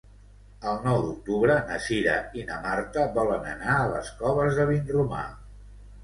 El nou d'octubre na Cira i na Marta volen anar a les Coves de Vinromà.